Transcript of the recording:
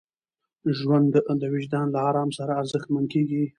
ژوند د وجدان له ارام سره ارزښتمن کېږي.